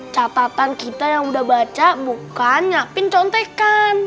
catatan kita yang udah baca bukan nyiapin contekan